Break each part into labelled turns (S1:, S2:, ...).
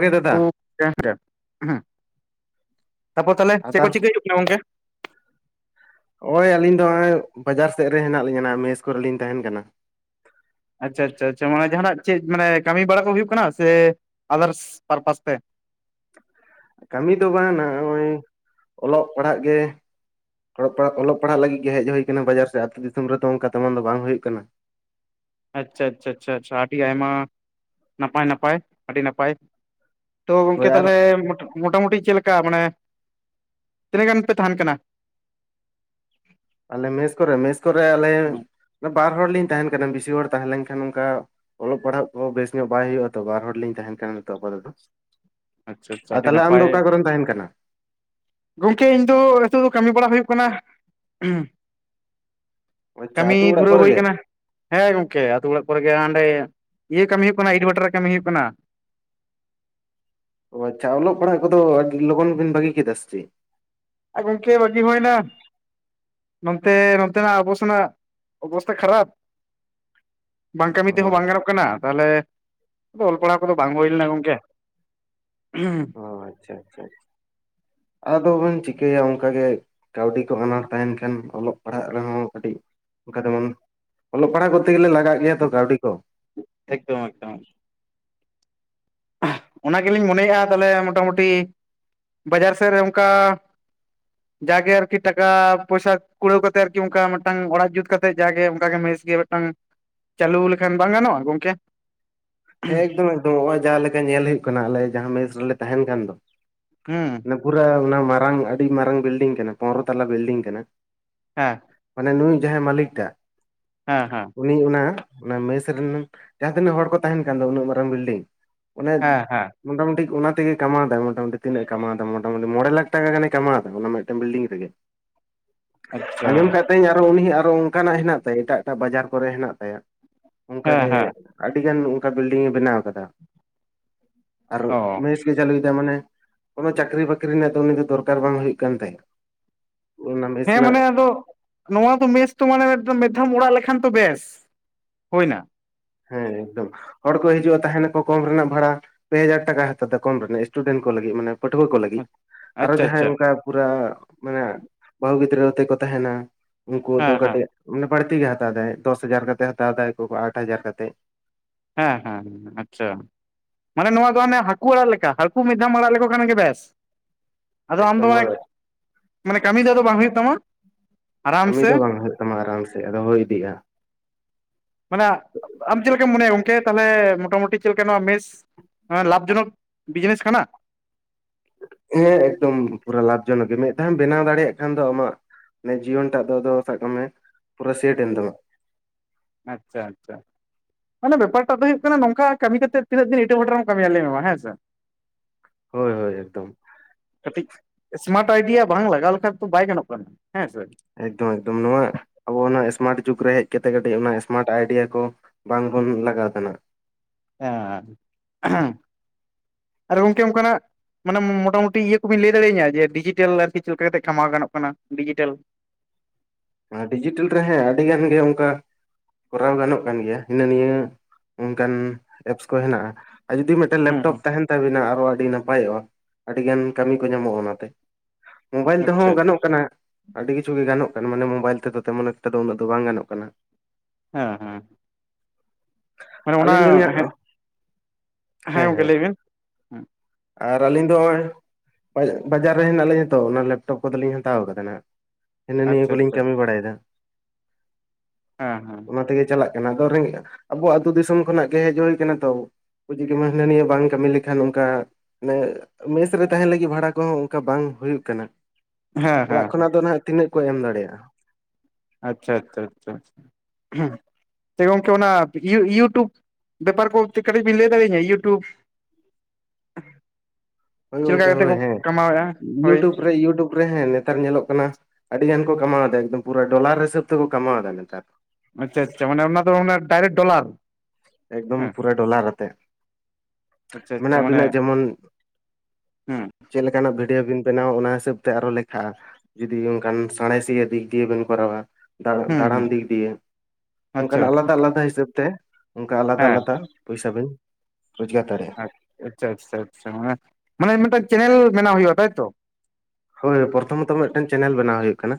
S1: ᱨᱮ ᱫᱟᱫᱟ
S2: ᱦᱮ ᱜᱚᱝᱠᱮ ᱛᱟᱯᱚᱨ ᱛᱟᱦᱚᱞᱮ ᱪᱮᱫ ᱠᱚ
S1: ᱟᱛᱟᱨ
S2: ᱪᱤᱠᱟᱹᱤᱡᱩᱜ ᱠᱟᱱᱟ ᱜᱚᱝᱠᱮ
S1: ᱱᱚᱜᱼᱚᱭ ᱟᱹᱞᱤᱧ ᱫᱚ ᱱᱚᱜ ᱚᱚᱭ ᱵᱟᱡᱟᱨ ᱥᱮᱫ ᱨᱮ ᱦᱮᱱᱟᱜ ᱞᱤᱧᱟ ᱢᱮᱥ ᱠᱚᱨᱮ ᱞᱤᱧ ᱛᱟᱦᱮᱱ ᱠᱟᱱᱟ
S2: ᱟᱪᱪᱷᱟ ᱟᱪᱪᱷᱟ ᱢᱟᱱᱮ ᱡᱟᱦᱟᱱᱟᱜ ᱪᱮᱫ ᱢᱟᱱᱮ ᱠᱟᱹᱢᱤ ᱵᱟᱲᱟ ᱠᱚ ᱦᱩᱭᱩᱜ ᱠᱟᱱᱟ ᱥᱮ ᱟᱫᱟᱨᱥ ᱯᱟᱨᱯᱟᱥ ᱛᱮ
S1: ᱠᱟᱹᱢᱤ ᱫᱚ ᱵᱟᱝ ᱱᱚᱜᱼᱚᱭ ᱚᱞᱚᱜ ᱯᱟᱲᱦᱟᱜ ᱜᱮ ᱚᱞᱚᱜ ᱯᱟᱲᱦᱟᱜ ᱚᱞᱚᱜ ᱯᱟᱲᱦᱟᱜ ᱞᱟᱹᱜᱤᱫ ᱜᱮ ᱦᱮᱡ ᱦᱩᱭ ᱟᱠᱟᱱᱟ ᱵᱟᱡᱟᱨ ᱥᱮᱫ ᱟᱹᱛᱩᱳ ᱫᱤᱥᱚᱢ ᱨᱮᱫᱚ ᱚᱱᱠᱟ ᱛᱮᱢᱚᱱ ᱫᱚ ᱵᱟᱝ ᱦᱩᱭᱩᱜ ᱠᱟᱱᱟ
S2: ᱟᱪᱪᱷᱟ ᱟᱪᱪᱷᱟ ᱟᱹᱰᱤ ᱟᱭᱢᱟ ᱱᱟᱯᱟᱭ ᱱᱟᱯᱟᱭ ᱟᱹᱰᱤ ᱱᱟᱯᱟᱭ ᱛᱚ ᱜᱚᱝᱠᱮ
S1: ᱦᱳᱭ ᱟᱨ
S2: ᱛᱟᱦᱚᱞᱮ ᱢᱚᱴᱟᱢᱩᱴᱤ ᱪᱮᱫ ᱞᱮᱠᱟ ᱢᱟᱱᱮ ᱛᱤᱱᱟᱹᱜ ᱜᱟᱱ ᱯᱮ ᱛᱟᱦᱮᱱ ᱠᱟᱱᱟ
S1: ᱟᱞᱮ ᱢᱮᱥ ᱠᱚᱨᱮ ᱢᱮᱥ ᱠᱚᱨᱮ ᱟᱞᱮ ᱵᱟᱨ ᱦᱚᱲᱞᱤᱧ ᱛᱟᱦᱮᱱ ᱠᱟᱱᱟ ᱵᱮᱥᱤ ᱦᱚᱲ ᱛᱟᱦᱮᱸ ᱞᱮᱱᱠᱷᱟᱱ ᱚᱱᱠᱟ ᱚᱞᱚᱜ ᱯᱟᱲᱦᱟᱜ ᱠᱚᱦᱚᱸ ᱵᱮᱥ ᱧᱚᱜ ᱵᱟᱭ ᱦᱩᱭᱩᱜᱼᱟ ᱛᱚ ᱵᱟᱨ ᱦᱚᱲ ᱞᱤᱧ ᱛᱟᱦᱮᱱ ᱠᱟᱱᱟ ᱱᱤᱛᱚᱜ ᱟᱯᱟᱛᱚᱛᱚ
S2: ᱟᱪᱪᱷᱟ ᱟᱪᱪᱷᱟ
S1: ᱟ
S2: ᱟᱹᱰᱤ
S1: ᱛᱟᱦᱞᱮ ᱟᱢ
S2: ᱱᱟᱯᱟᱭ
S1: ᱫᱚ ᱚᱠᱟ ᱠᱚᱨᱮᱢ ᱛᱟᱦᱮᱱ ᱠᱟᱱᱟ
S2: ᱜᱚᱝᱠᱮ ᱤᱧ ᱫᱚ ᱱᱤᱛᱚᱜ ᱫᱚ ᱠᱟᱹᱢᱤ ᱵᱟᱲᱟ ᱦᱩᱭᱩᱜ ᱠᱟᱱᱟ
S1: ᱟᱪᱪᱷᱟ
S2: ᱠᱟᱹᱢᱤ
S1: ᱟᱹᱛᱩ ᱚᱲᱟᱜ
S2: ᱫᱷᱩᱨᱟᱹᱣ
S1: ᱠᱚᱨᱮ
S2: ᱦᱩᱭ
S1: ᱜᱮ
S2: ᱠᱟᱱᱟ ᱦᱮᱸ ᱜᱚᱝᱠᱮ ᱟᱛᱳ ᱚᱲᱟᱜ ᱠᱚᱨᱮ ᱜᱮ ᱚᱸᱰᱮ ᱤᱭᱟᱹ ᱠᱟᱹᱢᱤ ᱦᱩᱭᱩᱜ ᱠᱟᱱᱟ ᱤᱴᱟᱹᱵᱷᱟᱴᱟ ᱨᱮ ᱠᱟᱹᱢᱤ ᱦᱩᱭᱩᱜ ᱠᱟᱱᱟ
S1: ᱚ ᱟᱪᱪᱷᱟ ᱚᱞᱚᱜ ᱯᱟᱲᱦᱟᱜ ᱠᱚᱫᱚ ᱟᱹᱰᱤ ᱞᱚᱜᱚᱱ ᱵᱤᱱ ᱵᱟᱜᱤ ᱠᱮᱫᱟ ᱥᱮ ᱪᱮᱫ
S2: ᱦᱮᱸ ᱜᱚᱢᱠᱮ ᱵᱟᱜᱤ ᱦᱩᱭᱱᱟ ᱱᱚᱱᱛᱮ ᱱᱚᱱᱚᱛᱱᱟᱜ ᱟᱵᱚ ᱥᱮᱱᱟᱜ ᱚᱵᱚᱥᱛᱟ ᱠᱷᱟᱨᱟᱯ ᱵᱟᱝ ᱠᱟᱹᱢᱤ
S1: ᱚ
S2: ᱛᱮᱦᱚᱸ ᱵᱟᱝ ᱜᱟᱱᱚᱜ ᱠᱟᱱᱟ ᱛᱟᱦᱚᱞᱮ ᱟᱫᱚ ᱚᱞ ᱯᱟᱲᱦᱟᱣ ᱠᱚᱫᱚ ᱵᱟᱝ ᱦᱩᱭ ᱞᱮᱱᱟ ᱜᱚᱢᱠᱮ
S1: ᱚ ᱟᱪᱪᱷᱟ ᱟᱪᱪᱷᱟ ᱟᱫᱚᱵᱚᱱ ᱪᱤᱠᱟᱹᱭᱟ ᱚᱱᱠᱟ ᱜᱮ ᱠᱟᱹᱣᱰᱤ ᱠᱚ ᱟᱱᱟᱴ ᱛᱟᱦᱮᱱ ᱠᱷᱟᱱ ᱚᱞᱚᱜ ᱯᱟᱲᱦᱟᱜ ᱨᱮᱦᱚᱸ ᱠᱟᱹᱴᱤᱡ ᱚᱱᱠᱟ ᱛᱮᱢᱟ ᱚᱞᱚᱜ ᱯᱟᱲᱦᱟᱜ ᱠᱚᱨᱛᱮ ᱜᱮᱞᱮ ᱞᱟᱜᱟᱜ ᱜᱮᱭᱟ ᱛᱚ ᱠᱟᱹᱣᱰᱤ ᱠᱚ
S2: ᱮᱠᱫᱚᱢ ᱮᱠᱫᱚᱢ ᱚᱱᱟ ᱜᱮᱞᱤᱧ ᱢᱚᱱᱮᱭᱮᱫᱼᱟ ᱛᱟᱦᱚᱞᱮ ᱢᱚᱴᱟᱢᱩᱴᱤ ᱵᱟᱡᱟᱨ ᱥᱮᱫ ᱨᱮ ᱚᱱᱠᱟ [inaudible] ᱡᱟᱜᱮ ᱟᱨᱠᱤ ᱴᱟᱠᱟ ᱯᱚᱭᱥᱟ ᱠᱩᱲᱟᱹᱣ ᱠᱟᱛᱮᱫ ᱟᱨᱠᱤ ᱚᱱᱠᱟ ᱢᱤᱫᱴᱟᱝ ᱚᱲᱟᱜ ᱡᱩᱛ ᱠᱟᱛᱮᱫ ᱡᱟᱜᱮ ᱚᱱᱠᱟᱜᱮ ᱢᱮᱤ ᱜᱮ ᱢᱤᱫᱴᱟᱝ ᱪᱟᱹᱞᱩ ᱞᱮᱠᱷᱟᱱ ᱵᱟᱝ ᱜᱟᱱᱚᱜᱼᱟ ᱜᱚᱝᱠᱮ
S1: ᱦᱮᱸ ᱮᱠᱫᱚᱢ ᱮᱠᱫᱚᱢ ᱱᱚᱜᱼᱚᱭ ᱡᱟᱦᱟᱸ ᱞᱮᱠᱟ ᱧᱮᱞ ᱦᱩᱭᱩᱜ ᱠᱟᱱᱟ ᱟᱞᱮ ᱡᱟᱦᱟᱸ ᱢᱮᱤᱥ ᱨᱮᱞᱮ ᱛᱟᱦᱮᱱ ᱠᱟᱱ ᱫᱚ
S2: ᱦᱩᱸ
S1: ᱯᱩᱨᱟᱹ ᱚᱱᱟ ᱢᱟᱨᱟᱝ ᱟᱹᱰᱤ ᱢᱟᱨᱟᱝ ᱵᱤᱞᱰᱤᱝ ᱠᱟᱱᱟ ᱯᱚᱱᱨᱚ ᱛᱟᱞᱟ ᱵᱤᱞᱰᱤᱝ ᱠᱟᱱᱟ
S2: ᱦᱮᱸ
S1: ᱢᱟᱱᱮ ᱱᱩᱭ ᱡᱟᱦᱟᱸᱭ ᱢᱟᱹᱟᱞᱤᱠ ᱴᱟᱜ
S2: ᱦᱮᱸ ᱦᱮᱸ
S1: ᱩᱱᱤ ᱚᱱᱟ ᱚᱱᱟ ᱢᱮᱥ ᱨᱮᱱ ᱡᱟᱦᱟᱸ ᱛᱤᱱᱟᱹᱜ ᱦᱚᱲ ᱠᱚ ᱛᱟᱦᱮᱱ ᱠᱟᱱ ᱫᱚ ᱩᱱᱟᱹᱜ ᱢᱟᱨᱟᱝ ᱵᱤᱞᱰᱤᱝ ᱚᱱᱮ
S2: ᱦᱮᱸ ᱦᱮᱸ
S1: ᱢᱚᱴᱟᱢᱩᱴᱤ ᱚᱱᱟ ᱛᱮᱜᱮ ᱠᱟᱢᱟᱣ ᱫᱟᱭ ᱢᱚᱴᱟᱢᱩᱴᱤ ᱛᱤᱱᱟᱹᱜ ᱠᱟᱢᱟᱣᱫᱟ ᱢᱚᱴᱟᱢᱩᱴᱤ ᱢᱚᱬᱮ ᱞᱟᱠᱷ ᱴᱟᱠᱟ ᱜᱟᱱᱮ ᱠᱟᱢᱟᱣᱫᱟ ᱚᱱᱟ ᱢᱤᱫᱴᱮᱱ ᱵᱤᱞᱰᱤᱝ ᱨᱮᱜᱮ
S2: ᱟᱪᱪᱷᱟ
S1: [unintelligible] ᱟᱸᱭ ᱟᱨᱚ ᱩᱱᱤ ᱟᱨᱚ ᱚᱱᱠᱟᱱᱟᱜ ᱦᱮᱱᱟᱜ ᱛᱟᱭᱟ ᱮᱴᱟᱜ ᱮᱴᱟᱜ ᱵᱟᱡᱟᱨ ᱠᱚᱨᱮ ᱦᱮᱱᱟᱜ ᱛᱟᱭᱟ
S2: ᱦᱮᱸ
S1: ᱚᱱᱠᱟᱜᱮ
S2: ᱦᱮᱸ
S1: ᱟᱹᱰᱤ ᱜᱟᱱ ᱚᱱᱠᱟ ᱵᱤᱞᱰᱤᱝ ᱮ ᱵᱮᱱᱟᱣ ᱟᱠᱟᱫᱟ ᱟᱨ
S2: ᱚ
S1: ᱢᱮᱥ ᱪᱟᱹᱞᱩᱭᱮᱫᱟ ᱢᱟᱱᱮ ᱠᱚᱱᱳ ᱪᱟᱹᱠᱨᱤ ᱵᱟᱹᱠᱨᱤ ᱨᱮᱱᱟᱜ ᱫᱚ ᱩᱱᱤ ᱫᱚ ᱫᱚᱨᱠᱟᱨ ᱵᱟᱝ ᱦᱩᱭᱩᱜ ᱠᱟᱱ ᱛᱟᱭᱟ ᱚᱱᱟ ᱢᱮᱥ
S2: ᱦᱮᱸ
S1: ᱨᱮᱱᱟᱜ
S2: ᱢᱟᱱᱮ ᱟᱫᱚ ᱱᱚᱣᱟ ᱫᱚ ᱢᱮᱥ ᱛᱚ ᱢᱟᱱᱮ ᱢᱤᱫᱷᱟᱮᱢ ᱚᱲᱟᱜ ᱞᱮᱠᱷᱟᱱ ᱛᱚ ᱵᱮᱥ ᱦᱩᱭᱱᱟ
S1: ᱦᱮᱸ ᱮᱠᱫᱚᱢ ᱦᱚᱲ ᱠᱚ ᱦᱤᱡᱩᱜᱼᱟ ᱛᱟᱦᱮᱱᱟᱠᱚ ᱠᱚᱢ ᱨᱮᱱᱟᱜ ᱵᱷᱟᱲᱟ ᱯᱮ ᱦᱟᱡᱟᱨ ᱴᱟᱠᱟ ᱦᱟᱛᱟᱣᱫᱟ ᱠᱚᱢ ᱨᱮᱱᱟᱜ ᱥᱴᱩᱰᱮᱱᱴ ᱠᱚ ᱞᱟᱹᱜᱤᱫ ᱢᱟᱱᱮ ᱯᱟᱹᱴᱷᱩᱣᱟᱹ ᱠᱚ ᱞᱟᱹᱜᱤᱫ ᱟᱨᱚ
S2: ᱟᱪᱪᱷᱟ
S1: ᱡᱟᱦᱟᱸᱭ
S2: ᱟᱪᱪᱷᱟ
S1: ᱚᱱᱠᱟ ᱯᱩᱨᱟ ᱢᱟᱱᱮ ᱵᱟᱹᱦᱩ ᱜᱤᱫᱽᱨᱟᱹ ᱟᱛᱮᱫ ᱠᱚ ᱛᱟᱦᱮᱱᱟ ᱩᱱᱠᱩ ᱫᱚ
S2: ᱦᱮᱸ ᱦᱮᱸ
S1: ᱠᱟᱹᱴᱤᱡ ᱢᱟᱱᱮ ᱵᱟᱹᱲᱛᱤ ᱜᱮ ᱦᱟᱛᱟᱣᱮᱫᱟᱭ ᱫᱚᱥ ᱦᱟᱡᱟᱨ ᱠᱟ ᱠᱟᱛᱮᱫᱟ ᱦᱟᱛᱟᱣ ᱫᱟᱭ ᱟᱴ ᱦᱟᱡᱟᱨ ᱠᱟᱛᱮᱫ
S2: ᱦᱮᱸ ᱦᱮᱸ ᱟᱪᱪᱷᱟ ᱢᱟᱱᱮ ᱱᱚᱣᱟ ᱫᱚ ᱚᱱᱮ ᱦᱟᱹᱠᱩ ᱚᱲᱟᱜ ᱞᱮᱠᱟ ᱦᱟᱹᱠᱩ ᱢᱤᱫ ᱫᱷᱟᱣᱮᱢ ᱟᱲᱟᱜ ᱞᱮᱠᱚ ᱠᱷᱟᱱ ᱜᱮ ᱵᱮᱥ ᱟᱫᱚ ᱟᱢ ᱫᱚ
S1: ᱮᱠᱫᱚᱢ
S2: ᱢᱟᱱᱮᱠ
S1: ᱦᱳᱭ
S2: ᱢᱟᱱᱮ ᱠᱟᱹᱢᱤ ᱫᱚ ᱟᱫᱚ ᱵᱟᱝ ᱦᱳᱭᱳᱜ ᱛᱟᱢᱟ ᱟᱨᱟᱢ
S1: ᱠᱟᱹᱢᱤ
S2: ᱥᱮ
S1: ᱫᱚ ᱵᱟᱝ ᱦᱳᱭᱳᱜ ᱛᱟᱢᱟ ᱟᱨᱟᱢᱥᱮ ᱟᱫᱚ ᱦᱳᱭ ᱤᱫᱤᱜᱼᱟ
S2: ᱢᱟᱱᱮ ᱟᱢ ᱪᱮᱜ ᱞᱮᱠᱟᱢ ᱢᱚᱱᱮᱭᱟ ᱜᱚᱝᱠᱮ ᱛᱟᱦᱚᱞᱮ ᱢᱚᱴᱟᱢᱩᱴᱤ ᱪᱮᱜ ᱞᱮᱠᱟ ᱱᱚᱣᱟ ᱢᱮᱥ ᱦᱮᱸ ᱞᱟᱵᱷᱡᱚᱱᱚᱠ ᱵᱤᱡᱱᱮᱥ ᱠᱟᱱᱟ
S1: ᱦᱮᱸ ᱮᱠᱫᱚᱢ ᱯᱩᱨᱟ ᱞᱟᱵᱷ ᱡᱚᱱᱚᱠ ᱜᱮ ᱢᱮᱜ ᱫᱷᱟᱣᱢ ᱵᱮᱱᱟᱣ ᱫᱟᱲᱮᱭᱟᱜ ᱠᱷᱟᱱ ᱫᱚ ᱟᱢᱟᱜ ᱢᱟᱱᱮ ᱡᱤᱭᱚᱱ ᱴᱟᱜ ᱫᱚ ᱟᱫᱚ ᱥᱟᱠ ᱠᱟᱜ ᱢᱮ ᱯᱩᱨᱟᱹ ᱥᱮᱴᱮᱱ ᱛᱟᱢᱟ
S2: ᱟᱪᱪᱷᱟ ᱟᱪᱪᱷᱟ ᱢᱟᱱᱮ ᱵᱮᱯᱟᱨᱴᱟᱜ ᱫᱚ ᱦᱩᱭᱩᱜ ᱠᱟᱱᱟ ᱱᱚᱝᱠᱟ ᱠᱟᱹᱢᱤ ᱠᱟᱛᱮᱫ ᱛᱤᱱᱟᱹᱜ ᱫᱤᱱ ᱤᱴᱟᱹ ᱵᱷᱟᱴᱟ ᱨᱮᱢ ᱠᱟᱹᱢᱤᱭᱟ ᱞᱮᱭᱢᱮ ᱢᱟ ᱦᱮᱸ ᱥᱮ [inaudible]
S1: ᱦᱳᱭ ᱦᱳᱭ ᱮᱠᱫᱚᱢ
S2: ᱠᱟᱹᱴᱤᱡ ᱮᱥᱢᱟᱨᱴ ᱟᱭᱰᱤᱭᱟ ᱵᱟᱝ ᱞᱟᱜᱟᱣ ᱞᱮᱠᱷᱟᱱ ᱛᱚ ᱵᱟᱭ ᱜᱟᱱᱚᱜ ᱠᱟᱱᱟ ᱦᱮᱸ ᱥᱮ
S1: ᱮᱠᱫᱚᱢ ᱮᱠᱫᱚᱢ ᱱᱚᱣᱟ ᱟᱵᱚ ᱚᱱᱟ ᱥᱢᱟᱨᱴ ᱡᱩᱜᱽ ᱨᱮ ᱦᱮᱡ ᱠᱟᱛᱮᱜ ᱠᱟᱹᱴᱤᱡ ᱚᱱᱟ ᱥᱢᱟᱨᱴ ᱟᱭᱰᱤᱭᱟ ᱠᱚ ᱵᱟᱝᱵᱚᱱ ᱞᱟᱜᱟᱣ ᱫᱟᱱᱜ
S2: ᱟᱪᱪᱷᱟ ᱟᱨ ᱜᱚᱢᱠᱮ ᱚᱱᱠᱟᱱᱟᱜ ᱢᱟᱱᱮ ᱢᱚᱴᱟᱢᱩᱴᱤ ᱤᱭᱟᱹ ᱠᱚᱵᱤᱱ ᱞᱟᱹᱭ ᱫᱟᱲᱮᱧᱟ ᱡᱮ ᱰᱤᱡᱤᱴᱟᱞ ᱟᱨᱠᱤ ᱪᱮᱜ ᱞᱮᱠᱟ ᱠᱟᱛᱮᱜ ᱠᱟᱢᱟᱣ ᱜᱟᱱᱚᱜ ᱠᱟᱱᱟ ᱰᱤᱡᱤᱴᱮᱞ
S1: ᱰᱤᱡᱤᱴᱮᱞᱛ ᱨᱮ ᱦᱮᱸ ᱟᱹᱰᱤ ᱜᱟᱱ ᱜᱮ ᱚᱝᱠᱟ ᱠᱚᱨᱟᱣ ᱜᱟᱱᱚᱜ ᱠᱟᱱ ᱜᱮᱭᱟ ᱦᱤᱱᱟᱹ ᱱᱤᱭᱟᱹ ᱚᱝᱠᱟᱱ ᱮᱯᱥ ᱠᱚ ᱦᱮᱱᱟᱜᱼᱟ ᱟᱨ ᱡᱩᱫᱤ ᱢᱮᱫᱴᱮᱱ
S2: ᱦᱩᱸ
S1: ᱞᱮᱯᱴᱚᱯ
S2: ᱦᱩᱸ
S1: ᱛᱟᱦᱮᱱ ᱛᱟᱵᱤᱱᱟ ᱟᱨᱚ ᱟᱹᱰᱤ ᱱᱟᱯᱟᱭᱚᱜᱼᱟ ᱟᱹᱰᱤᱜᱟᱱ ᱠᱟᱹᱢᱤ ᱠᱚ ᱧᱟᱢᱚᱜᱼᱟ ᱚᱱᱟᱛᱮ ᱢᱳᱵᱟᱭᱤᱞ
S2: ᱟᱪᱪᱷᱟ
S1: ᱛᱮᱦᱚᱸ ᱜᱟᱱᱚᱜ ᱠᱟᱱᱟ ᱟᱹᱰᱤ ᱠᱤᱪᱷᱩ ᱜᱮ ᱜᱟᱱᱚᱜ ᱠᱟᱱᱟ ᱢᱟᱱᱮ ᱢᱳᱵᱟᱭᱤᱞ ᱛᱮᱫᱚ ᱛᱮᱢᱚᱱ ᱡᱚᱢ ᱛᱮᱫᱚ ᱩᱱᱟᱹᱜ ᱫᱚ ᱵᱟᱝ ᱜᱟᱱᱚᱜ ᱠᱟᱱᱟ
S2: ᱦᱮᱸ ᱦᱮᱸ ᱢᱟᱱᱮ ᱚᱱᱟ
S1: ᱟᱹᱞᱤᱧ ᱫᱩᱞᱤᱟᱧ
S2: ᱦᱮᱸ
S1: ᱦᱟᱸᱜ ᱦᱮᱸ
S2: ᱜᱚᱝᱠᱮ
S1: ᱦᱮᱸ
S2: ᱞᱟᱹᱭ ᱵᱤᱱ
S1: ᱟᱨ ᱟᱹᱞᱤᱧ ᱫᱚ ᱦᱚᱜᱼᱚᱭ ᱵᱟᱡ ᱵᱟᱡᱟᱨ ᱨᱮ ᱦᱮᱱᱟᱜ ᱞᱤᱧᱟ ᱛᱚ ᱚᱱᱟ ᱞᱮᱯᱴᱚᱯ ᱠᱚᱫᱚᱞᱤᱧ ᱦᱟᱛᱟᱣ ᱠᱟᱫᱟ ᱱᱟᱦᱟᱹᱜ ᱦᱤᱱᱟᱹ ᱱᱤᱭᱟᱹ
S2: ᱟᱪᱪᱷᱟ
S1: ᱠᱚᱞᱤᱧ
S2: ᱟᱪᱪᱷᱟ
S1: ᱠᱟᱹᱢᱤ ᱵᱟᱲᱟᱭᱮᱫᱟ
S2: ᱦᱮᱸ ᱦᱮᱸ
S1: ᱚᱱᱟ ᱛᱮᱜᱮ ᱪᱟᱞᱟᱜ ᱠᱟᱱᱟ ᱟᱫᱚ ᱨᱮᱸᱜᱮᱡ ᱟᱵᱚᱭᱟᱜ ᱟᱛᱳ ᱫᱤᱥᱚᱢ ᱠᱷᱚᱱᱟᱜ ᱜᱮ ᱦᱮᱡ ᱦᱳᱭ ᱠᱟᱱᱟ ᱛᱚ [unintelligible] ᱢᱟ ᱦᱤᱟᱱᱟᱹ ᱱᱤᱭᱟᱹ ᱵᱟᱝ ᱠᱟᱹᱢᱤ ᱞᱮᱠᱷᱟᱱ ᱚᱱᱠᱟ ᱢᱟᱱᱮ ᱢᱮᱥ ᱨᱮ ᱛᱟᱦᱮᱱ ᱞᱟᱹᱜᱤᱜ ᱵᱷᱟᱲᱟ ᱠᱚᱦᱚᱸ ᱚᱝᱠᱟ ᱵᱟᱝ ᱦᱩᱭᱩᱜ ᱠᱟᱱᱟ
S2: ᱦᱮᱸ
S1: ᱚᱲᱟᱜ
S2: ᱦᱮᱸ
S1: ᱠᱷᱚᱱᱟᱜ ᱫᱚ ᱱᱟᱦᱟᱹᱜ ᱛᱤᱱᱟᱹᱜ ᱠᱚ ᱮᱢ ᱫᱟᱲᱮᱭᱟᱜᱼᱟ
S2: ᱟᱪᱪᱷᱟ ᱟᱪᱪᱷᱟ ᱟᱪᱪᱷᱟ ᱜᱚᱝᱠᱮ ᱚᱱᱟ ᱤᱭᱩ ᱤᱭᱩᱴᱩᱵᱽ ᱵᱮᱯᱟᱨ ᱠᱚ ᱛᱤᱠᱟᱹᱛᱤᱡ ᱵᱤᱱ ᱞᱮᱭ ᱫᱟᱲᱮᱧᱟᱹ ᱤᱭᱩᱴᱩᱵᱽ
S1: ᱦᱳᱭ
S2: ᱪᱮᱫ ᱞᱮᱠᱟ
S1: ᱜᱚᱝᱠᱮ
S2: ᱠᱟᱛᱮ
S1: ᱦᱳᱭ
S2: ᱠᱚ
S1: ᱦᱮᱸ
S2: ᱠᱟᱢᱟᱣᱮᱫᱼᱟ ᱦᱳᱭ
S1: ᱤᱭᱩᱴᱩᱵ ᱨᱮ ᱤᱭᱩᱴᱩᱵ ᱨᱮ ᱦᱮᱸ ᱱᱮᱛᱟᱨ ᱧᱮᱞᱚᱜ ᱠᱟᱱᱟ ᱟᱹᱰᱤ ᱜᱟᱱ ᱠᱚ ᱠᱟᱢᱟᱣ ᱫᱟ ᱮᱠᱫᱚᱢ ᱯᱩᱨᱟᱹ ᱰᱚᱞᱟᱨ ᱦᱤᱥᱟᱹᱵ ᱛᱮᱠᱚ ᱠᱟᱢᱟᱣᱫᱟ ᱱᱮᱛᱟᱨ
S2: ᱟᱪᱪᱷᱟ ᱟᱪᱷᱟ ᱢᱟᱱᱮ ᱚᱱᱟ ᱫᱚ ᱢᱟᱱᱮ ᱰᱟᱭᱨᱮᱠᱴ ᱰᱚᱞᱟᱨ
S1: ᱮᱠᱫᱚᱢ
S2: ᱦᱮᱸ
S1: ᱯᱩᱨᱟᱹ ᱰᱚᱞᱟᱨ ᱟᱛᱮᱜ
S2: ᱟᱪᱪᱷᱟ
S1: ᱢᱟᱱᱮ
S2: ᱟᱪᱪᱷᱟ
S1: ᱟᱹᱵᱤᱱᱟᱜ ᱡᱮᱢᱚᱱ
S2: ᱦᱩᱸ
S1: ᱪᱮᱜ ᱞᱮᱠᱟᱱᱟᱜ ᱵᱷᱤᱰᱭᱳ ᱵᱤᱱ ᱵᱮᱱᱟᱣ ᱚᱱᱟ ᱦᱤᱥᱟᱹᱵ ᱛᱮ ᱟᱨᱦᱚ ᱞᱮᱠᱷᱟᱜᱼᱟ ᱡᱩᱫᱤ ᱚᱝᱠᱟᱱ ᱥᱟᱬᱮᱥᱤᱭᱟᱹ ᱫᱤᱠ ᱫᱤᱭᱮ ᱵᱮᱱ ᱠᱚᱨᱟᱣᱟ ᱫᱟᱜ
S2: ᱦᱩᱸ
S1: ᱫᱟᱬᱟᱱ
S2: ᱦᱩᱸ
S1: ᱫᱤᱠ ᱫᱤᱭᱮ
S2: ᱟᱪᱪᱷᱟ
S1: ᱚᱝᱠᱟᱱᱟᱜ ᱟᱞᱟᱫᱟ ᱟᱞᱟᱫᱟ ᱦᱤᱥᱟᱹᱵ ᱛᱮ ᱚᱝᱠᱟ ᱟᱞᱟᱫᱟ
S2: ᱦᱮᱸ
S1: ᱟᱞᱟᱫᱟ ᱯᱚᱭᱥᱟ ᱵᱤᱱ ᱨᱳᱡᱽᱜᱟᱨ ᱫᱟᱲᱮᱜ
S2: ᱟᱪ ᱟᱪᱪᱷᱟ ᱟᱪᱪᱷᱟ ᱟᱪᱪᱷᱟ ᱢᱟᱱᱮ ᱢᱟᱱᱮ ᱢᱤᱫᱴᱟᱝ ᱪᱮᱱᱮᱞ ᱢᱮᱱᱟᱣ ᱦᱩᱭᱩᱜᱼᱟ ᱛᱟᱭᱛᱚ
S1: ᱦᱳᱭ ᱯᱚᱨᱛᱷᱚᱢᱚᱛᱚ ᱢᱮᱜᱴᱮᱱ ᱪᱮᱱᱮᱞ ᱵᱮᱱᱟᱣ ᱦᱩᱭᱩᱜ ᱠᱟᱱᱟ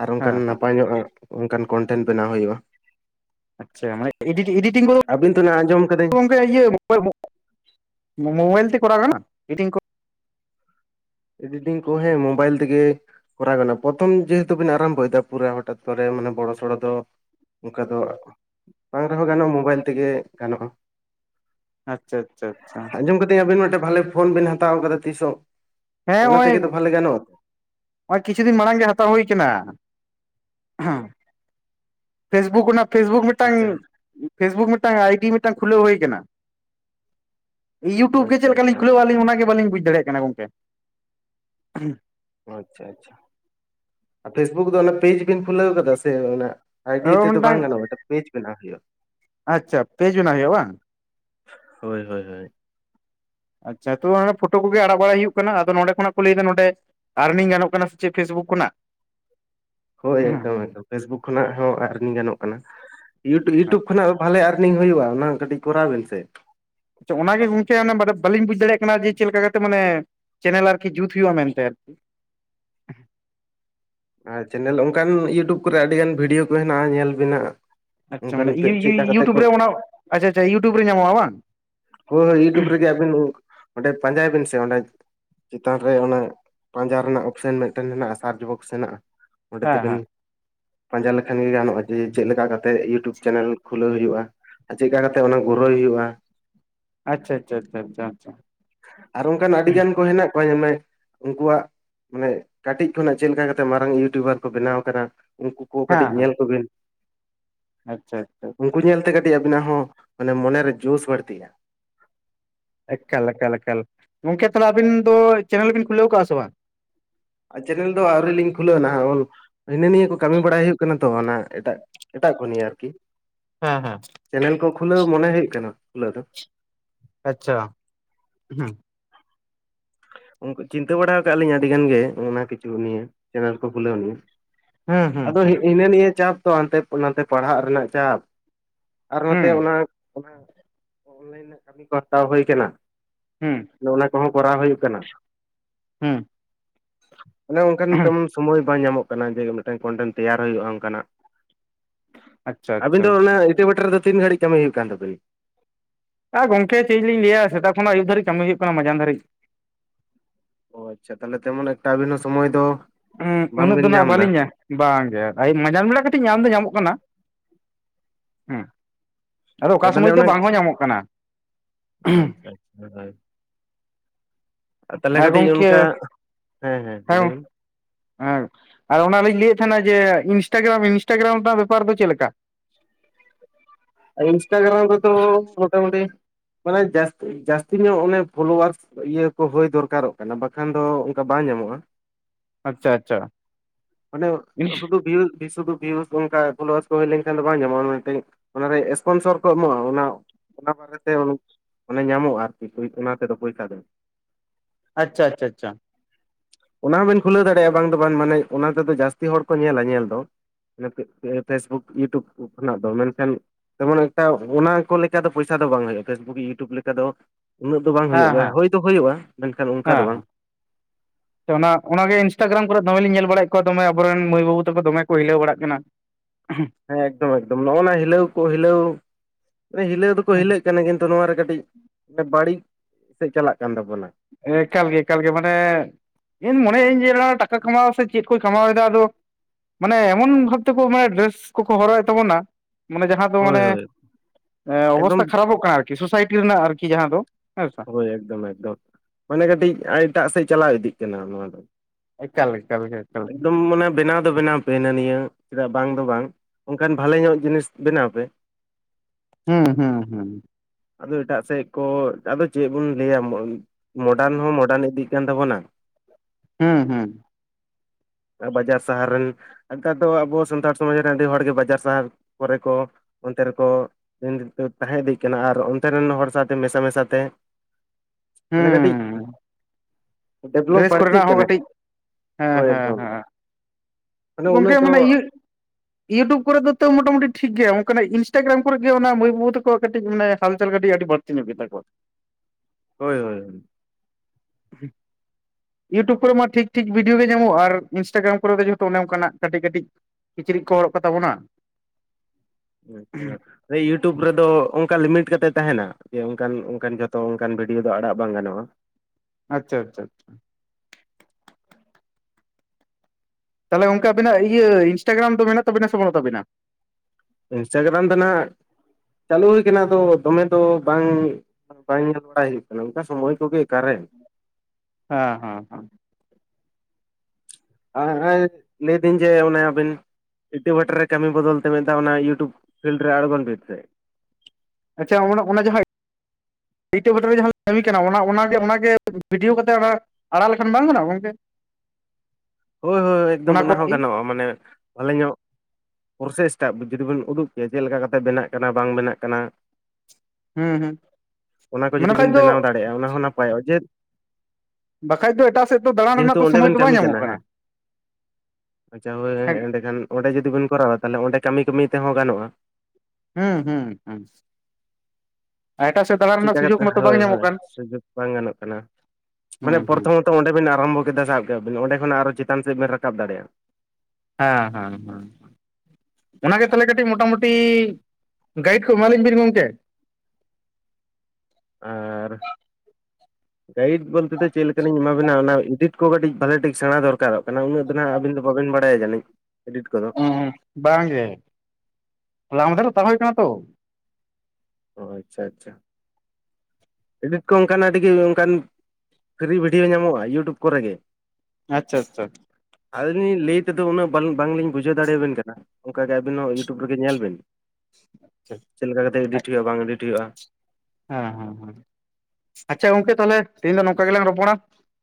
S1: ᱟᱨ
S2: ᱦᱮᱸ
S1: ᱚᱝᱠᱟᱱ
S2: ᱦᱮᱸ
S1: ᱱᱟᱯᱟᱭ ᱧᱚᱜᱼᱟᱜ ᱚᱝᱠᱟᱱ ᱠᱚᱱᱴᱮᱱᱴ ᱵᱮᱱᱟᱣ ᱦᱳᱭᱳᱜᱼᱟ
S2: ᱟᱪᱪᱷᱟ ᱢᱟᱱᱮ ᱤᱰᱤᱴ ᱤᱰᱤᱴᱤᱝ ᱠᱚᱫᱚ
S1: ᱟᱹᱵᱤᱱ ᱛᱚ ᱱᱟᱜ ᱟᱸᱡᱚᱢ ᱠᱟᱹᱫᱟᱹᱧ
S2: ᱜᱚᱝ ᱡᱮ ᱤᱭᱟ ᱢᱳᱵᱟᱞ ᱢᱳ ᱢᱳᱵᱟᱭᱤᱞ ᱛᱮ ᱠᱚᱨᱟᱣ ᱜᱟᱱᱚᱜᱼᱟ ᱤᱰᱤᱴᱤᱝ ᱠᱚ
S1: ᱮᱰᱤᱴᱤᱝ ᱠᱚ ᱦᱮᱸ ᱢᱳᱵᱟᱭᱤᱞ ᱛᱮᱜᱮ ᱠᱚᱨᱟᱣ ᱜᱟᱱᱚᱜᱼᱟ ᱯᱚᱛᱷᱚᱢ ᱡᱮᱦᱮᱛᱩ ᱵᱤᱱ ᱟᱨᱟᱢᱵᱷᱚᱭᱮᱫᱟ ᱯᱩᱨᱟᱹ ᱦᱚᱴᱟᱛ ᱠᱚᱨᱮ ᱢᱟᱱᱮ ᱵᱚᱲᱚ ᱥᱚᱲᱚ ᱫᱚ ᱚᱝᱠᱟ ᱫᱚ ᱵᱟᱝ ᱨᱮᱦᱚᱸ ᱜᱟᱱᱚᱜᱼᱟ ᱢᱳᱵᱟᱭᱤᱞ ᱛᱮᱜᱮ ᱜᱟᱱᱚᱜᱼᱟ
S2: ᱟᱪᱪᱷᱟ ᱟᱪᱪᱷᱟ ᱟᱪᱪᱷᱟ
S1: ᱟᱸᱡᱚᱢ ᱠᱟᱹᱫᱤᱧ ᱟᱵᱤᱱ ᱢᱤᱫᱴᱮᱜ ᱵᱷᱟᱞᱮ ᱯᱷᱳᱱ ᱵᱤᱱ ᱦᱟᱛᱟᱣ ᱠᱟᱫᱟ ᱛᱤᱥᱦᱚᱸ
S2: ᱦᱮᱸ ᱦᱳᱭ ᱦᱚᱜᱚᱭ ᱠᱤᱪᱷᱩ ᱫᱤᱱ ᱢᱟᱲᱟᱝ ᱜᱮ ᱦᱟᱛᱟᱣ ᱦᱳᱭ ᱠᱟᱱᱟ ᱦᱮᱸ ᱯᱷᱮᱥᱵᱩᱠ ᱚᱱᱟ ᱯᱷᱮᱥᱵᱩᱠ ᱢᱤᱫᱴᱟᱝ
S1: ᱟᱪᱪᱷᱟ
S2: ᱯᱷᱮᱥᱵᱩᱠ ᱢᱤᱫᱴᱟᱝ ᱟᱭᱰᱤ ᱢᱤᱫᱴᱟᱝ ᱠᱷᱩᱞᱟᱹᱣ ᱦᱩᱭ ᱠᱟᱱᱟ᱾ ᱤᱭᱩᱴᱩᱵᱽ ᱜᱮ
S1: ᱟᱪᱪᱷᱟ
S2: ᱪᱮᱜ ᱞᱮᱠᱟᱞᱤᱧ
S1: ᱟᱪᱪᱷᱟ
S2: ᱠᱷᱩᱞᱟᱹᱣᱟ ᱟᱹᱞᱤᱧ ᱚᱱᱟᱜᱮ ᱵᱟᱹᱞᱤᱧ ᱵᱩᱡᱽ ᱫᱟᱲᱮᱭᱟᱜ ᱠᱟᱱᱟ ᱜᱚᱝᱠᱮ
S1: ᱟᱪᱷᱟ ᱟᱪᱷᱟ ᱯᱷᱮᱥᱵᱩᱠ ᱫᱚ ᱚᱱᱟ ᱯᱮᱡᱽ ᱵᱤᱱ ᱠᱷᱩᱞᱟᱹᱣ ᱠᱟᱫᱟ ᱥᱮ ᱚᱱᱟ ᱟᱭᱰᱤ ᱛᱮᱫᱚ
S2: ᱢᱤᱫᱴᱟᱝ
S1: ᱵᱟᱝ ᱜᱟᱱᱚᱜᱼᱟ ᱢᱤᱴᱮᱜ ᱯᱮᱡᱽ ᱵᱮᱱᱟᱣ ᱦᱩᱭᱩᱜᱼᱟ ᱾
S2: ᱟᱪᱪᱷᱟ ᱯᱮᱡᱽ ᱵᱮᱱᱟᱣ ᱦᱩᱭᱩᱜᱼᱟ ᱵᱟᱝ
S1: ᱦᱳᱭ ᱦᱳᱭ ᱦᱳᱭ
S2: ᱟᱪᱷᱟ ᱛᱚ ᱯᱷᱳᱴᱳ ᱠᱚᱜᱮ ᱟᱲᱟᱜ ᱵᱟᱲᱟᱭ ᱦᱩᱭᱩᱜ ᱠᱟᱱᱟ ᱟᱫᱚ ᱱᱚᱸᱰᱮ ᱠᱷᱚᱱᱟᱜ ᱠᱚ ᱞᱟᱹᱭ ᱮᱫᱟ ᱱᱚᱸᱰᱮ ᱟᱨᱱᱤᱝ ᱜᱟᱱᱚᱜ ᱠᱟᱱᱟ ᱥᱮ ᱪᱮᱫ ᱯᱷᱮᱥᱵᱩᱠ ᱠᱷᱚᱱᱟᱜ
S1: ᱦᱳᱭ ᱮᱠᱫᱚᱢ ᱮᱠᱫᱚᱢ ᱯᱷᱮᱥᱵᱩᱠ ᱠᱷᱚᱱᱟᱜ ᱦᱚᱸ ᱟᱨᱱᱤᱝ ᱜᱟᱱᱚᱜ ᱠᱟᱱᱟ᱾ ᱤᱭᱩᱴᱩ ᱤᱭᱩᱴᱩᱵᱽ ᱠᱷᱚᱱᱟᱜ ᱵᱷᱟᱞᱮ ᱟᱨᱱᱤᱝ ᱦᱩᱭᱩᱜᱼᱟ ᱚᱱᱟ ᱠᱟᱹᱴᱤᱡ ᱠᱚᱨᱟᱣ ᱵᱮᱱ ᱥᱮ
S2: ᱟᱪᱷᱟ ᱚᱱᱟᱜᱮ ᱜᱚᱝᱠᱮ ᱵᱟᱰᱮ ᱵᱟᱞᱤᱧ ᱵᱩᱡᱽ ᱫᱟᱲᱮᱭᱟᱜ ᱠᱟᱱᱟ ᱡᱮ ᱪᱮᱜ ᱞᱮᱠᱟ ᱠᱟᱛᱮᱜ ᱢᱟᱱᱮ ᱪᱮᱱᱮᱞ ᱟᱨᱠᱤ ᱡᱩᱛ ᱦᱩᱭᱩᱜᱼᱟ ᱢᱮᱱᱛᱮ ᱟᱨᱠᱤ
S1: ᱟᱨ ᱪᱮᱱᱮᱞ ᱚᱝᱠᱟᱱ ᱤᱭᱩᱴᱩᱵᱽ ᱠᱚᱨᱮᱜ ᱟᱹᱰᱤ ᱜᱟᱱ ᱵᱷᱤᱰᱤᱭᱳ ᱠᱚ ᱦᱮᱱᱟᱜᱼᱟ ᱧᱮᱞ ᱵᱮᱱᱟᱜ
S2: ᱟᱪᱷᱟ
S1: ᱚᱱᱠᱟᱱ
S2: ᱢᱟᱱᱮ ᱤᱭᱩ-ᱤᱭᱩ
S1: ᱪᱮᱫᱠᱟ ᱠᱟᱛᱮ
S2: ᱤᱭᱩᱴᱩᱵᱽ
S1: ᱠᱚ
S2: ᱨᱮ ᱚᱱᱟ ᱟᱪᱷᱟ ᱟᱪᱷᱟ ᱤᱭᱩᱴᱩᱵᱽ ᱨᱮ ᱧᱟᱢᱚᱜᱼᱟ ᱵᱟᱝ
S1: ᱦᱳᱭ ᱤᱭᱩᱴᱩᱵᱽ ᱨᱮᱜᱮ ᱟᱹᱵᱤᱱ ᱚ ᱚᱸᱰᱮ ᱯᱟᱸᱡᱟᱭ ᱵᱮᱱ ᱥᱮ ᱚᱸᱰᱮ ᱪᱮᱛᱟᱱ ᱨᱮ ᱚᱱᱟ ᱯᱟᱸᱡᱟ ᱨᱮᱱᱟᱜ ᱚᱯᱥᱮᱱ ᱢᱤᱫᱴᱮᱱ ᱦᱮᱱᱟᱜᱼᱟ ᱥᱟᱨᱡᱽ ᱵᱚ ᱥᱮᱱᱟᱜᱼᱟ ᱚᱸᱰᱮ
S2: ᱦᱮᱸ
S1: ᱛᱮᱵᱮᱱ
S2: ᱦᱮᱸ
S1: ᱯᱟᱸᱡᱟ ᱞᱮᱠᱷᱟᱱ ᱜᱮ ᱜᱟᱱᱚᱜᱼᱟ ᱡᱮ ᱪᱮᱫ ᱞᱮᱠᱟ ᱠᱟᱛᱮᱜ ᱤᱭᱩᱴᱩᱵᱽ ᱪᱮᱱᱮᱞ ᱠᱷᱩᱞᱟᱹᱣ ᱦᱩᱭᱩᱜᱼᱟ? ᱟᱨ ᱪᱮᱫᱠᱟ ᱠᱟᱛᱮᱜ ᱚᱱᱟ ᱜᱨᱚᱭ ᱦᱩᱭᱩᱜᱼᱟ?
S2: ᱟᱪᱷᱟ ᱟᱪᱷᱟ ᱟᱪᱷᱟ ᱪᱷᱟ ᱪᱷᱟ
S1: ᱟᱨ ᱚᱱᱠᱟᱱ ᱟᱹᱰᱤ ᱜᱟᱱ ᱠᱚ ᱦᱮᱱᱟᱜ ᱠᱚᱣᱟ ᱡᱢᱮ [unintelligible] ᱩᱝᱠᱩᱣᱟᱜ ᱢᱟᱱᱮ ᱠᱟᱹᱴᱤᱡ ᱠᱷᱚᱱᱟᱜ ᱪᱮᱫ ᱞᱮᱠᱟ ᱠᱟᱛᱮᱫ ᱢᱟᱨᱟᱝ ᱤᱭᱩᱴᱩᱵᱟᱨ ᱠᱚ ᱵᱮᱱᱟᱣ ᱠᱟᱱᱟ ᱩᱝᱠᱩ ᱠᱩ ᱠᱟᱹᱴᱤᱡ
S2: ᱦᱮᱸ
S1: ᱧᱮᱞ ᱠᱚᱵᱤᱱ
S2: ᱟᱪᱪᱷᱟ ᱟᱪᱪᱷᱟ
S1: ᱩᱝᱠᱩ ᱧᱮᱞᱛᱮ ᱠᱟᱹᱴᱤᱡ ᱟᱹᱵᱤᱱᱟᱜ ᱦᱚᱸ ᱢᱟᱱᱮ ᱢᱚᱱᱮᱨᱮ ᱡᱳᱥ ᱵᱟᱹᱲᱛᱤᱜᱼᱟ᱾
S2: ᱮᱠᱟᱞ ᱮᱠᱟᱞ ᱮᱠᱟᱞ ᱜᱚᱝᱠᱮ ᱛᱟᱦᱞᱮ ᱟᱵᱤᱱ ᱫᱚ ᱪᱮᱱᱮᱞ ᱵᱤᱱ ᱠᱷᱩᱞᱟᱹᱣ ᱠᱟᱜᱼᱟ ᱥᱮ ᱵᱟᱝ?
S1: ᱟᱨ ᱪᱮᱱᱮᱞ ᱫᱚ ᱟᱹᱣᱨᱤ ᱞᱤᱝ ᱠᱷᱩᱞᱟᱹᱣ ᱱᱟᱦᱟᱜ ᱚᱞ ᱦᱤᱱᱟᱹ ᱱᱤᱭᱟᱹ ᱠᱚ ᱠᱟᱹᱢᱤ ᱵᱟᱲᱟᱭ ᱦᱩᱭᱩᱜ ᱠᱟᱱᱟ ᱛᱚ ᱚᱱᱟ ᱮᱴᱟᱜ ᱮᱴᱟᱜ ᱠᱚ ᱱᱤᱭᱟᱹ ᱟᱨᱠᱤ
S2: ᱦᱮᱸ ᱦᱮᱸ
S1: ᱪᱮᱱᱮᱞ ᱠᱚ ᱠᱷᱩᱞᱟᱹᱣ ᱢᱚᱱᱮ ᱦᱩᱭᱩᱜ ᱠᱟᱱᱟ ᱠᱷᱩᱞᱟᱹᱣ ᱫᱚ
S2: ᱟᱪᱪᱷᱟ ᱦᱮᱸ
S1: ᱩᱝᱠᱩ ᱪᱤᱱᱛᱟᱹ ᱵᱟᱲᱟ ᱟᱠᱟᱟᱜ ᱞᱤᱧ ᱟᱹᱰᱤ ᱜᱟᱱ ᱜᱮ ᱚᱱᱟ ᱠᱤᱪᱷᱩ ᱱᱤᱭᱟᱹ ᱪᱮᱱᱮᱞ ᱠᱚ ᱠᱷᱩᱞᱟᱹᱣ ᱱᱤᱭᱟᱹ
S2: ᱦᱩᱸ ᱦᱩᱸ
S1: ᱟᱫᱚ ᱦᱤ ᱦᱤᱱᱟᱹ ᱱᱤᱭᱟᱹ ᱪᱟᱯ ᱛᱚ ᱦᱟᱱᱛᱮ ᱱᱟᱛᱮ ᱯᱟᱲᱦᱟᱜ ᱨᱮᱱᱟᱜ ᱪᱟᱯ ᱟᱨ ᱱᱚᱛᱮ
S2: ᱦᱩᱸ
S1: ᱚᱱᱟ ᱚᱱᱟ ᱚᱱᱞᱟᱭᱤᱱ ᱨᱮᱱᱟᱜ ᱠᱟᱹᱢᱤ ᱠᱚ ᱦᱟᱛᱟᱣ ᱦᱩᱭ ᱠᱟᱱᱟ᱾
S2: ᱦᱩᱸ
S1: ᱟᱫᱚ ᱚᱱᱟ ᱠᱚᱦᱚᱸ ᱠᱚᱨᱟᱣ ᱦᱩᱭᱩᱜ ᱠᱟᱱᱟ᱾
S2: ᱦᱩᱸ
S1: ᱟᱱᱮ ᱚᱝᱠᱟᱱ ᱛᱮᱢᱚᱱ ᱥᱚᱢᱚᱭ ᱵᱟᱝ ᱧᱟᱢᱚᱜ ᱠᱟᱱᱟ ᱡᱮ ᱢᱤᱫᱴᱮᱝ ᱠᱚᱱᱴᱮᱱᱴ ᱛᱮᱭᱟᱨ ᱦᱩᱭᱩᱜᱼᱟ ᱚᱱᱠᱟᱱᱟᱜ
S2: ᱟᱪᱪᱷᱟ
S1: ᱟᱹᱵᱤᱱ
S2: ᱟᱪᱪᱷᱟ
S1: ᱫᱚ
S2: ᱟᱪᱪᱷᱟ
S1: ᱚᱱᱟ ᱤᱴᱟᱹ ᱵᱟᱴᱟ ᱨᱮᱫᱚ ᱛᱤᱱ ᱜᱷᱟᱹᱲᱤᱡ ᱠᱟᱹᱢᱤ ᱦᱩᱭᱩᱜ ᱠᱟᱱ ᱛᱟᱵᱤᱱᱟ?
S2: ᱟᱨ ᱜᱚᱝᱠᱮ ᱪᱮᱫ ᱞᱤᱧ ᱞᱟᱹᱭᱟ ᱥᱮᱛᱟᱜ ᱠᱷᱚᱱᱟᱜ ᱟᱹᱭᱩᱵ ᱫᱷᱟᱹᱨᱤᱡ ᱠᱟᱹᱢᱤ ᱦᱩᱭᱩᱜ ᱠᱟᱱᱟ ᱢᱟᱡᱟᱱ ᱫᱷᱟᱹᱨᱤᱡ
S1: ᱚ ᱟᱪᱷᱟ ᱛᱟᱦᱞᱮ ᱛᱮᱢᱚᱱ ᱮᱠᱴᱟ ᱟᱹᱵᱤᱱᱟᱜ ᱥᱚᱢᱚᱭ ᱫᱚ
S2: ᱦᱩᱸ ᱩᱱᱟᱹᱜ ᱫᱚ
S1: ᱵᱟᱝᱵᱤᱱ
S2: ᱱᱷᱟᱜ
S1: ᱧᱟᱢ
S2: ᱵᱟᱹᱞᱤᱧ ᱧᱟ ᱵᱟᱝ ᱜᱮ ᱟᱭ ᱢᱟᱡᱟᱱ ᱵᱮᱲᱟ ᱠᱟᱹᱴᱤᱡ ᱧᱟᱢ ᱫᱚ ᱧᱟᱢᱚᱜ ᱠᱟᱱᱟ, ᱦᱩᱸ ᱟᱫᱚ
S1: ᱮᱫᱟ
S2: ᱚᱠᱟ
S1: ᱛᱟᱦᱚᱞᱮ
S2: ᱥᱚᱢᱚᱭ ᱫᱚ
S1: ᱚᱱᱟ
S2: ᱵᱟᱝ ᱦᱚᱸ ᱧᱟᱢᱚᱜ ᱠᱟᱱᱟ
S1: ᱦᱮᱸ ᱦᱟᱭ ᱛᱟᱦᱚᱞᱮ
S2: ᱟᱨ
S1: ᱠᱟᱹᱴᱤᱡ
S2: ᱜᱚᱝᱠᱮ
S1: ᱚᱱᱠᱟ ᱦᱮᱸ ᱦᱮᱸ ᱞᱟᱹᱭᱵᱮᱱ
S2: ᱦᱮᱸ ᱟᱨ ᱚᱱᱟᱞᱤᱧ ᱞᱟᱹᱭᱮᱫ ᱛᱟᱦᱮᱸᱱᱟ ᱡᱮ ᱤᱱᱥᱴᱟᱜᱨᱟᱢ ᱤᱱᱥᱴᱟᱜᱨᱟᱢ ᱴᱟᱜ ᱵᱮᱯᱟᱨ ᱫᱚ ᱪᱮᱫ ᱞᱮᱠᱟ?
S1: ᱤᱱᱥᱴᱟᱜᱨᱟᱢ ᱨᱮᱫᱚ ᱢᱚᱴᱟᱢᱩᱴᱤ ᱢᱟᱱᱮ ᱡᱟᱹᱥᱛᱤ ᱡᱟᱹᱥᱛᱤ ᱧᱚᱜ ᱚᱱᱮ ᱯᱷᱚᱞᱳᱣᱟᱨᱥ ᱤᱭᱟᱹ ᱠᱚ ᱦᱩᱭ ᱫᱚᱨᱠᱟᱨᱚᱜ ᱠᱟᱱᱟ ᱵᱟᱠᱷᱟᱱ ᱫᱚ ᱚᱝᱠᱟ ᱵᱟᱝ ᱧᱟᱢᱚᱜᱼᱟ ᱾
S2: ᱟᱪᱪᱷᱟ ᱟᱪᱪᱷᱟ
S1: ᱢᱟᱱᱮ ᱥᱩᱫᱩ ᱵᱤᱭᱩᱥ ᱵᱤᱥᱩᱫᱩ ᱵᱷᱤᱭᱩᱥ ᱚᱝᱠᱟ ᱯᱷᱞᱚᱣᱟᱨᱥ ᱠᱚ ᱦᱩᱭ ᱞᱮᱱᱠᱷᱟᱱ ᱫᱚ ᱵᱟᱝ ᱧᱟᱢᱚᱜᱼᱟ ᱢᱟᱱᱮ ᱢᱤᱫᱴᱟᱝ ᱚᱱᱟᱨᱮ ᱥᱯᱚᱱᱥᱚᱨ ᱠᱚ ᱮᱢᱚᱜᱼᱟ ᱚᱱᱟ ᱚᱱᱟ ᱵᱟᱨᱮ ᱛᱮ ᱚᱱᱚ ᱚᱱᱟ ᱧᱟᱢᱚᱜᱼᱟ ᱟᱨᱠᱤ ᱯᱚᱭ ᱚᱱᱟ ᱛᱮᱫᱚ ᱯᱚᱭᱥᱟ ᱫᱚ
S2: ᱟᱪᱪᱷᱟ ᱟᱪᱪᱷᱟ ᱟᱪᱪᱷᱟ
S1: ᱚᱱᱟ ᱦᱚᱸᱵᱮᱱ ᱠᱷᱩᱞᱟᱹᱣ ᱫᱟᱲᱮᱭᱟᱜᱼᱟ ᱵᱟᱝ ᱫᱚ ᱵᱟᱝ ᱢᱟᱱᱮ ᱚᱱᱟ ᱛᱮ ᱫᱚ ᱡᱟᱹᱥᱛᱤ ᱦᱚᱲ ᱠᱚ ᱧᱮᱞᱟ ᱧᱮᱞ ᱫᱚ ᱯᱷᱮᱥᱵᱩᱠ ᱤᱭᱩᱴᱩᱵᱽ ᱠᱷᱚᱱᱟᱜ ᱫᱚ ᱢᱮᱱᱠᱷᱟᱱ ᱡᱮᱢᱚᱱ ᱮᱠᱴᱟ ᱚᱱᱟ ᱠᱚ ᱞᱮᱠᱟ ᱫᱚ ᱯᱚᱭᱥᱟ ᱫᱚ ᱵᱟᱝ ᱦᱩᱭᱩᱜᱼᱟ ᱯᱷᱮᱥᱵᱩᱠ ᱤᱭᱩᱴᱩᱵᱽ ᱞᱮᱠᱟ ᱫᱚ ᱩᱱᱟᱹᱜ ᱫᱚ ᱵᱟᱝ
S2: ᱦᱮᱸ
S1: ᱦᱩᱭᱩᱜ ᱜᱮ
S2: ᱦᱮᱸ
S1: ᱦᱳᱭ ᱫᱚ ᱦᱩᱭᱩᱜᱼᱟ ᱢᱮᱱᱠᱷᱟᱱ ᱚᱱᱠᱟ ᱫᱚ
S2: ᱦᱮᱸ
S1: ᱵᱟᱝ
S2: [inaudible] ᱚᱱᱟ ᱚᱱᱟᱜᱮ ᱤᱱᱥᱴᱟᱜᱨᱟᱢ ᱠᱚᱨᱮ ᱫᱚᱢᱮ ᱞᱤᱧ ᱧᱮᱞ ᱵᱟᱲᱟᱭᱮᱫ ᱠᱚᱣᱟ ᱫᱚᱢᱮ ᱟᱵᱚᱨᱮᱱ ᱢᱟᱹᱭ ᱵᱟᱹᱵᱩ ᱛᱟᱠᱚ ᱫᱚᱢᱮ ᱠᱚ ᱦᱤᱞᱟᱹᱣ ᱵᱟᱲᱟᱜ ᱠᱟᱱᱟ ᱦᱮᱸ
S1: ᱦᱮᱸ ᱮᱠᱫᱚᱢ ᱮᱠᱫᱚᱢ ᱱᱚᱜᱼᱱᱟ ᱦᱤᱞᱟᱹᱣ ᱠᱚ ᱦᱤᱞᱟᱹᱣ ᱢᱟᱱᱮ ᱦᱤᱞᱟᱹᱣ ᱫᱚ ᱠᱚ ᱦᱤᱞᱟᱹᱜ ᱠᱟᱱᱟ ᱠᱤᱱᱛᱩ ᱱᱚᱣᱟ ᱨᱮ ᱠᱟᱹᱴᱤᱡ ᱵᱟᱹᱲᱤᱡ ᱥᱮᱫ ᱪᱟᱞᱟᱜ ᱠᱟᱱ ᱛᱟᱵᱚᱱᱟ
S2: ᱮᱠᱟᱞ ᱜᱮ ᱮᱠᱟᱞ ᱜᱮ ᱢᱟᱱᱮ ᱤᱧ ᱢᱚᱱᱮᱭᱟᱹᱧ ᱡᱮ ᱴᱟᱠᱟ ᱠᱟᱢᱟᱣ ᱥᱮ ᱪᱮᱫ ᱠᱚᱭ ᱠᱟᱢᱟᱣ ᱮᱫᱟ ᱟᱫᱚ ᱢᱟᱱᱮ ᱮᱢᱚᱱ ᱵᱷᱟᱵ ᱛᱮᱠᱚ ᱢᱟᱱᱮ ᱰᱨᱮᱥ ᱠᱚ ᱠᱚ ᱦᱚᱨᱚᱜᱮᱫ ᱛᱟᱵᱚᱱᱟ ᱢᱟᱱᱮ ᱡᱟᱦᱟᱸ ᱫᱚ
S1: ᱦᱳᱭ
S2: ᱢᱟᱱᱮ
S1: ᱦᱳᱭ ᱮᱠᱫᱚᱢ
S2: ᱚᱵᱚᱥᱛᱷᱟ ᱠᱷᱟᱨᱟᱯᱚᱜ ᱠᱟᱱᱟ ᱟᱨ ᱠᱤ ᱟᱨᱠᱤ ᱥᱳᱥᱟᱭᱴᱤ ᱨᱮᱱᱟᱜ ᱟᱨᱠᱤ ᱡᱟᱦᱟᱸ ᱫᱚ ᱦᱮᱸ
S1: ᱦᱳᱭ ᱮᱠᱫᱚᱢ ᱮᱠᱫᱚᱢ ᱢᱟᱱᱮ ᱠᱟᱹᱴᱤᱡ ᱮᱴᱟᱜ ᱥᱮᱫ ᱪᱟᱞᱟᱣ ᱤᱫᱤᱜ ᱠᱟᱱᱟ ᱱᱚᱣᱟ ᱫᱚ
S2: ᱮᱠᱟᱞ ᱮᱠᱟᱞ ᱜᱮ ᱮᱠᱟᱞ
S1: ᱮᱠᱫᱚᱢ ᱢᱟᱱᱮ ᱵᱮᱱᱟᱣ ᱫᱚ ᱵᱮᱱᱟᱣ ᱯᱮᱱᱟ ᱱᱤᱭᱟᱹ ᱪᱮᱫᱟᱜ ᱵᱟᱝ ᱫᱚ ᱵᱟᱝ ᱚᱱᱠᱟᱱ ᱵᱷᱟᱞᱮ ᱧᱚᱜ ᱡᱤᱱᱤᱥ ᱵᱮᱱᱟᱣ ᱯᱮ
S2: ᱦᱩᱸ ᱦᱩᱸ ᱦᱩᱸ
S1: ᱟᱫᱚ ᱮᱴᱟᱜ ᱥᱮᱫ ᱠᱚ ᱟᱫᱚ ᱪᱮᱫ ᱵᱚᱱ ᱞᱟᱹᱭᱟ ᱢᱚᱰᱟᱨᱱ ᱦᱚᱸ ᱢᱚᱰᱟᱨᱱ ᱤᱫᱤᱜ ᱠᱟᱱ ᱛᱟᱵᱚᱱᱟ᱾
S2: ᱦᱩᱸ ᱦᱩᱸ
S1: ᱵᱟᱡᱟᱨ ᱥᱟᱦᱟᱨ ᱨᱮᱱ ᱱᱮᱛᱟᱨ ᱫᱚ ᱟᱵᱚ ᱥᱟᱱᱛᱟᱲ ᱥᱚᱢᱟᱡᱽ ᱨᱮᱱ ᱟᱹᱰᱤ ᱦᱚᱲ ᱜᱮ ᱵᱟᱡᱟᱨ ᱥᱟᱦᱟᱨ ᱠᱚᱨᱮ ᱠᱚ ᱚᱱᱛᱮ ᱨᱮ ᱠᱚ ᱩᱱ ᱤᱫᱤᱱ ᱠᱚ ᱛᱟᱦᱮᱸ ᱤᱫᱤᱜ ᱠᱟᱱᱟ᱾ᱟᱨ ᱚᱱᱛᱮ ᱨᱮᱱ ᱦᱚᱲ ᱥᱟᱶᱛᱮ ᱢᱮᱥᱟ ᱢᱮᱥᱟ ᱛᱮ ᱢᱟᱱᱮ ᱠᱟᱹᱴᱤᱡ
S2: ᱦᱩᱸ
S1: ᱰᱮᱵᱷᱞᱚᱯ
S2: ᱰᱨᱮᱥ ᱠᱚᱨᱮ
S1: ᱵᱟᱹᱲᱛᱤᱜ
S2: ᱱᱟᱜ ᱦᱚᱸ
S1: ᱠᱟᱱᱟ ᱠᱚ
S2: ᱠᱟᱹᱴᱤᱡ ᱦᱮᱸ
S1: ᱦᱳᱭ
S2: ᱦᱮᱸ
S1: ᱮᱠᱫᱚᱢ
S2: ᱦᱮᱸ ᱜᱚᱝᱠᱮ
S1: ᱩᱱᱟᱹᱜ ᱫᱚ
S2: ᱢᱟᱱᱮ ᱤᱭᱟᱹ ᱤᱭᱩᱴᱩ ᱠᱚᱨᱮ ᱫᱚ ᱛᱚ ᱢᱚᱴᱟᱢ ᱢᱩᱩᱴᱤ ᱴᱷᱤᱠ ᱜᱮᱭᱟ᱾ ᱚᱱᱠᱟᱱᱟᱜ ᱤᱱᱴᱟᱜᱨᱟᱢ ᱠᱚᱨᱮ ᱜᱮ ᱚᱱᱟ ᱢᱟᱹᱭ ᱵᱟᱹᱵᱩ ᱛᱠᱚ ᱠᱟᱹᱴᱤᱡ ᱢᱟᱱᱮ ᱦᱟᱞᱪᱟᱞ ᱠᱟᱹᱴᱤᱡᱴ ᱵᱟᱹᱲᱛᱤ ᱪᱮᱱᱡᱚᱜ ᱜᱮᱛᱟ ᱠᱚᱣᱟ᱾
S1: ᱦᱳᱭ ᱦᱳᱭ
S2: [unintelligible] ᱤᱭᱩᱴᱩᱵᱽ ᱠᱚᱨᱮ ᱢᱟ ᱴᱷᱤᱠ ᱴᱷᱤᱠ ᱵᱷᱤᱰᱭᱳ ᱜᱮ ᱧᱟᱢᱚᱜ ᱟᱨ ᱥᱴᱟᱜᱨᱟᱢ ᱠᱚᱨᱮ ᱫᱚ ᱡᱚᱛᱚ ᱚᱱᱮ ᱚᱱᱠᱟᱱᱟᱜ ᱠᱟᱹᱴᱤᱡ ᱠᱟᱹᱴᱤᱡ ᱠᱤᱪᱨᱤᱡ ᱠᱚ ᱦᱚᱨᱚᱜ ᱠᱟᱛᱟ ᱵᱚᱱᱟ
S1: ᱦᱳᱭ ᱟᱪᱪᱷᱟ ᱤᱭᱩᱴᱩᱵᱽ ᱨᱮ ᱫᱚ ᱚᱱᱠᱟ ᱞᱤᱢᱤᱴ ᱠᱟᱛᱮᱫ ᱛᱟᱦᱮᱱᱟ᱾ ᱡᱮ ᱚᱱᱠᱟᱱ ᱚᱱᱠᱟᱱ ᱡᱷᱚᱛᱚ ᱚᱱᱠᱟᱱ ᱵᱷᱤᱰᱭᱳ ᱫᱚ ᱟᱲᱟᱜ ᱵᱟᱝ ᱜᱟᱱᱚᱜᱼᱟ᱾
S2: ᱟᱪᱪᱷᱟ ᱟᱪᱪᱷᱟ ᱟᱪᱪᱷᱟ ᱛᱟᱦᱚᱞᱮ ᱜᱚᱝᱠᱮ ᱟᱵᱤᱱᱟᱜ ᱤᱭᱟᱹ ᱤᱱᱴᱟᱜᱨᱟᱢ ᱫᱚ ᱢᱮᱱᱟᱜ ᱛᱟᱵᱤᱱᱟ ᱥᱮ ᱵᱟᱹᱱᱩᱜ ᱛᱟᱵᱤᱱᱟ
S1: ᱤᱱᱥᱴᱟᱜᱨᱟᱢ ᱫᱚ ᱱᱟᱜ ᱪᱟᱹᱞᱩ ᱦᱩᱭ ᱠᱟᱱᱟ ᱟᱫᱚ ᱫᱚᱢᱮ ᱫᱚ ᱵᱟᱝ ᱵᱟᱝ ᱧᱮᱞ ᱵᱟᱲᱟᱭ ᱦᱩᱭᱩᱜ ᱠᱟᱱᱟ᱾ ᱚᱱᱠᱟ ᱥᱚᱢᱚᱭ ᱠᱚ ᱜᱮ ᱚᱠᱟᱨᱮ
S2: ᱦᱮᱸ ᱦᱮᱸ ᱦᱮᱸ
S1: ᱮᱸ ᱞᱟᱹᱭ ᱫᱟᱹᱧ ᱡᱮ ᱚᱱᱮ ᱟᱵᱤᱱ ᱤᱴ ᱵᱷᱟᱴᱟ ᱨᱮ ᱠᱟᱹᱢᱤ ᱵᱚᱫᱚᱞ ᱛᱮ ᱚᱱᱟ ᱤᱭᱩᱴᱩᱵᱽ ᱯᱷᱤᱞᱰ ᱨᱮ ᱟᱬᱜᱚᱱ ᱵᱤᱱ ᱥᱮ
S2: ᱟᱪᱪᱷᱟ ᱚᱱᱟ ᱡᱟᱦᱟᱭ ᱮᱴᱟᱹ ᱵᱮᱴᱟᱨᱮ ᱡᱟᱦᱟᱸ ᱠᱟᱹᱢᱤ ᱠᱟᱱᱟ ᱚᱱᱟᱜᱮ ᱚᱱᱟᱜᱮ ᱵᱷᱤᱰᱭᱳ ᱠᱟᱛᱮ ᱟᱨᱟᱜ ᱟᱲᱟᱜ ᱞᱮᱠᱷᱟᱱ ᱵᱟᱝ ᱜᱟᱱᱚᱜᱼᱟ ᱜᱚᱝᱠᱮ?
S1: ᱦᱳᱭ ᱦᱳᱭ ᱮᱠᱫᱚᱢ
S2: ᱠᱚ
S1: ᱚᱱᱟ ᱦᱚᱸ
S2: ᱟᱨᱠᱤ
S1: ᱜᱟᱱᱚᱜᱼᱟ ᱢᱟᱱᱮ ᱵᱷᱟᱞᱮ ᱧᱚᱜ ᱯᱨᱥᱮᱥ ᱴᱟ ᱡᱩᱫᱤ ᱵᱚᱱ ᱩᱫᱩᱜ ᱠᱮᱭᱟ ᱪᱮᱫ ᱞᱮᱠᱟ ᱠᱟᱛᱮ ᱵᱮᱱᱟᱜ ᱠᱟᱱᱟ ᱵᱟᱝ ᱵᱮᱱᱟᱜ ᱠᱟᱱᱟ᱾
S2: ᱦᱩᱸ ᱦᱩᱸ
S1: ᱚᱱᱟ ᱠᱚ ᱡᱩᱫᱤ
S2: ᱢᱮᱱᱠᱷᱟᱡ
S1: ᱵᱚᱱ
S2: ᱫᱚ
S1: ᱵᱮᱱᱟᱣ ᱫᱟᱲᱮᱭᱟᱜᱼᱟ ᱚᱱᱟ ᱦᱚᱸ ᱱᱟᱯᱟᱭᱚᱜᱼᱟ ᱡᱮ
S2: ᱵᱟᱠᱷᱟᱡ ᱫᱚ ᱮᱴᱟᱜ ᱥᱮᱫ ᱛᱚ ᱫᱟᱲᱟᱱ
S1: ᱡᱮᱦᱮᱛᱩ
S2: ᱨᱮᱱᱟᱜ ᱛᱚ
S1: ᱚᱸᱰᱮ
S2: ᱥᱚᱢᱚᱭ
S1: ᱵᱮᱱ
S2: ᱫᱚ ᱵᱟᱝ
S1: ᱠᱟᱹᱢᱤ
S2: ᱧᱟᱢᱚᱜ ᱠᱟᱱᱟ᱾
S1: ᱟᱪᱪᱷᱟ ᱦᱳᱭ
S2: ᱦᱮᱸ
S1: ᱮᱸᱰᱮ ᱠᱷᱟᱱ ᱚᱸᱰᱮ ᱡᱩᱫᱤ ᱵᱤᱱ ᱠᱚᱨᱟᱣᱟ ᱛᱟᱦᱚᱞᱮ ᱚᱸᱰᱮ ᱠᱟᱹᱢᱤ ᱠᱟᱹᱢᱤ ᱛᱮᱦᱚᱸ ᱜᱟᱱᱚᱜᱼᱟ᱾
S2: ᱦᱩᱸ ᱦᱩᱸ ᱦᱩᱸ ᱮᱴᱟᱜ ᱥᱮᱫ ᱫᱚ [unintelligible]
S1: ᱪᱮᱜᱠᱟ ᱠᱟᱛᱮ ᱦᱳᱭ ᱦᱳᱭ ᱥᱩᱡᱳᱜ ᱵᱟᱝ ᱜᱟᱱᱚᱜ ᱠᱟᱱᱟ ᱢᱟᱱᱮ
S2: ᱦᱩᱸ ᱦᱩᱸ
S1: ᱯᱨᱚᱛᱷᱚ ᱛᱚ ᱚᱸᱰᱮ ᱵᱤᱱ ᱟᱨᱚᱢᱵᱚ ᱠᱮᱫᱟ ᱥᱟᱵ ᱠᱟᱜ ᱵᱤᱱ ᱚᱸᱰᱮ ᱠᱷᱚᱱᱟᱜ ᱟᱨ ᱦᱚᱸ ᱪᱮᱛᱟᱱ ᱥᱮᱫ ᱵᱤᱱ ᱨᱟᱠᱟᱵ ᱫᱟᱲᱮᱭᱟᱜᱼᱟ᱾
S2: ᱦᱮᱸ ᱦᱮᱸ ᱦᱮᱸ ᱚᱱᱟᱜ ᱜᱮ ᱛᱟᱦᱚᱞᱮ ᱠᱟᱹᱴᱤᱡ ᱢᱚᱴᱟᱢᱩᱴᱤ ᱜᱟᱭᱤᱰ ᱠᱚ ᱮᱢᱟᱞᱤᱧ ᱵᱤᱱ ᱜᱚᱝᱠᱮ
S1: ᱟᱨ
S2: [unintelligible]
S1: ᱜᱟᱭᱤᱰ ᱵᱚᱞᱛᱮ ᱪᱮᱫ ᱞᱮᱠᱟᱱᱤᱧ ᱮᱢᱟᱵᱤᱱᱟ ᱚᱱᱟ ᱮᱰᱤᱴ ᱠᱚ ᱠᱟᱹᱴᱤᱡ ᱵᱷᱟᱜᱮ ᱴᱷᱤᱠ ᱥᱮᱬᱟ ᱫᱚᱨᱠᱟᱨᱚᱜ ᱠᱟᱱᱟ ᱩᱱᱟᱹᱜ ᱟᱵᱤᱱ ᱫᱚ ᱵᱟᱹᱵᱤᱱ ᱵᱟᱰᱟᱭᱟ ᱡᱟᱹᱱᱤᱡ ᱮᱰᱤᱴ ᱠᱚ
S2: ᱵᱟᱝ ᱜᱮ ᱦᱚᱞᱟ ᱢᱟᱫᱷᱮᱨ ᱦᱟᱛᱟᱣ ᱦᱳᱭ ᱠᱟᱱᱟ ᱛᱚ
S1: ᱳ ᱟᱪᱪᱷᱟ ᱟᱪᱪᱷᱟ ᱮᱰᱤᱴ ᱠᱚ ᱚᱱᱠᱟᱱᱟᱜ ᱟᱹᱰᱤᱜᱮ ᱚᱱᱠᱟᱱ ᱯᱷᱤᱨᱤ ᱵᱷᱤᱰᱤᱭᱳ ᱧᱟᱢᱚᱜᱼᱟ ᱤᱭᱩᱴᱩᱵ ᱠᱚᱨᱮ ᱜᱮ᱾
S2: ᱟᱪᱪᱷᱟ ᱟᱪᱪᱷᱟ
S1: ᱟᱞᱤᱧ ᱞᱟᱹᱭ ᱛᱮᱫᱚ ᱩᱱᱟᱹᱜ ᱵᱟᱝ ᱵᱟᱝᱞᱤᱧ ᱵᱩᱡᱷᱟᱹᱣ ᱫᱟᱲᱮᱭᱟ ᱵᱮᱱ ᱠᱟᱱᱟ᱾ ᱚᱱᱠᱟᱜᱮ ᱟᱵᱤᱱ ᱦᱚᱸ ᱤᱭᱩᱴᱩᱵ ᱨᱮᱜᱮ ᱧᱮᱞ ᱵᱤᱱ
S2: ᱟᱪᱪᱷᱟ
S1: ᱪᱮᱜ ᱞᱮᱠᱟ ᱠᱟᱛᱮᱜ ᱤᱰᱤᱴ ᱦᱩᱭᱩᱜᱼᱟ ᱵᱟᱝ ᱤᱰᱤᱴ ᱦᱩᱭᱩᱜᱼᱟ᱾
S2: ᱦᱚᱸ ᱦᱚᱸ ᱦᱚᱸ ᱟᱪᱪᱷᱟ ᱜᱚᱝᱠᱮ ᱛᱟᱦᱚᱞᱮ ᱛᱮᱦᱮᱧ ᱫᱚ ᱱᱚᱝᱠᱟ ᱜᱮᱞᱟᱝ ᱨᱚᱯᱚᱲᱟ᱾